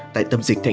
tại tâm dịch tp hcm